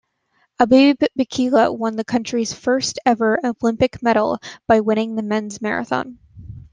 Abebe Bikila won the country's first ever Olympic medal by winning the men's marathon.